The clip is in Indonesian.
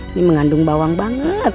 ini mengandung bawang banget